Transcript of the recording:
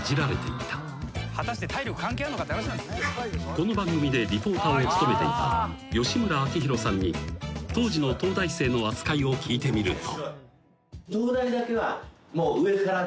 ［この番組でリポーターを務めていた吉村明宏さんに当時の東大生の扱いを聞いてみると］